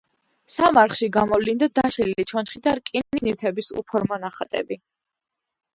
სამარხში გამოვლინდა დაშლილი ჩონჩხი და რკინის ნივთების უფორმო ნატეხები.